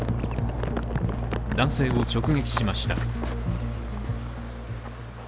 男性を直撃しました。